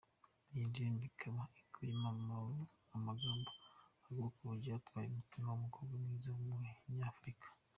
Iyi ndirimbo ikaba ikubiyemo amagambo avuga uburyo yatwawe umutima n’umukobwa mwiza w’Umunyafurika.